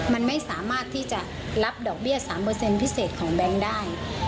มันไม่สามารถที่จะรับดอกเบี้ย๓พิเศษของแบงค์ได้